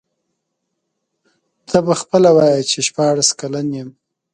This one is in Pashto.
ته به خپله وایې چي شپاړس کلن یم.